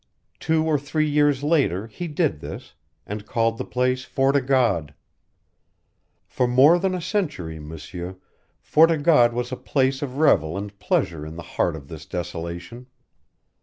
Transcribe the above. Two or three years later he did this, and called the place Fort o' God. For more than a century, M'sieur, Fort o' God was a place of revel and pleasure in the heart of this desolation.